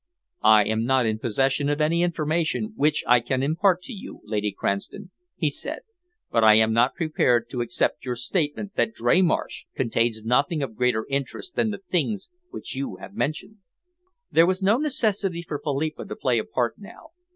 "I am not in possession of any information which I can impart to you, Lady Cranston," he said, "but I am not prepared to accept your statement that Dreymarsh contains nothing of greater interest than the things which you have mentioned." There was no necessity for Philippa to play a part now.